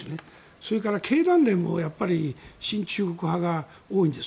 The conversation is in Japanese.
それから経団連も親中派が多いんです。